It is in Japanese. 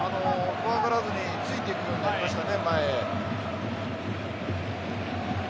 怖がらずについていくようになりましたね。